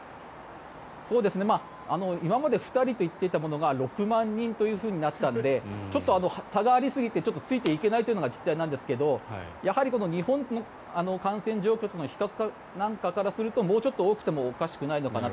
今まで２人と言っていたものが６万人となったのでちょっと差がありすぎてついていけないというのが実態なんですがやはり日本の感染状況との比較なんかからするともうちょっと多くてもおかしくないのかなと。